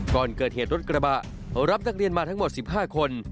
ก่อนเกิดเหตุรถกระบะรับนักเรียนมาทั้งหมด๑๕คน